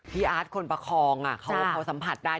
อาร์ตคนประคองเขาสัมผัสได้